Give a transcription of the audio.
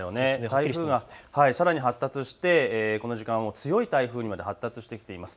台風がさらに発達してこの時間、強い台風にまで発達してきています。